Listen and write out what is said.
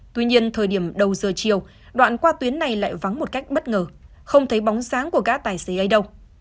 tuy nhiên thời điểm đầu giờ chiều đoạn qua tuyến này lại vắng một cách bất ngờ không thấy bóng dáng của các tài xế ấy đâu